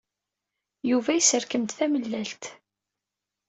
Yuba yesserkem-d tamellalt.